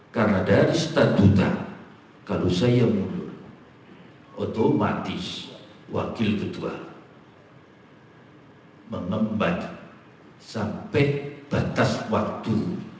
karena dari statuta kalau saya mundur otomatis wakil ketua mengembat sampai batas waktu